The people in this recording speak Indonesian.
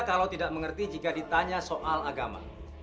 kalau tidak mengerti jika ditanya soal agama